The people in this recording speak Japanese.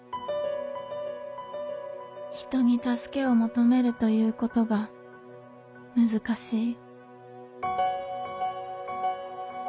「人に助けを求めるという事が難しい」。